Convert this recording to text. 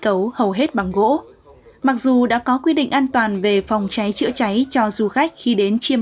cấu hầu hết bằng gỗ mặc dù đã có quy định an toàn về phòng cháy chữa cháy cho du khách khi đến chiêm